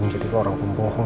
menjadi orang pembohong